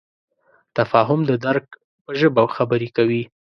تفاهم د درک په ژبه خبرې کوي.